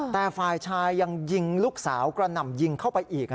แต่ฝ่ายชายยังยิงลูกสาวกระหน่ำยิงเข้าไปอีก